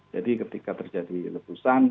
jadi ketika terjadi letusan